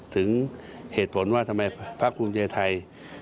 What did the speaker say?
ถึงเหตุผลว่าทำไมพระคุณเจฐัย